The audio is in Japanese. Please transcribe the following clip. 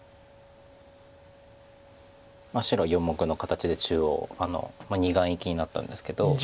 白４目の形で中央２眼生きになったんですけど。